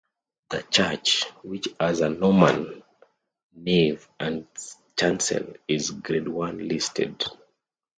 The church, which has a Norman nave and chancel, is Grade One listed.